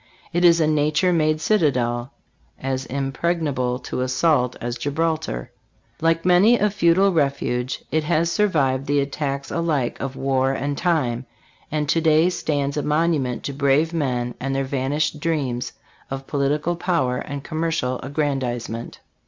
It is a nature made citadel, as impregnable to assault as Gibralter. Like many a feudal refuge, it has survived the attacks alike of war and time, and to day stands a monument to brave men and their van ished dreams of political power and commercial aggrandizement.